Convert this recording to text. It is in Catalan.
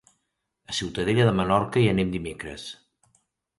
A Ciutadella de Menorca hi anem dimecres.